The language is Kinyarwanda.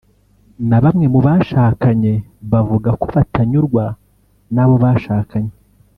na bamwe mu bashakanye bavuga ko batanyurwa n’abo bashakanye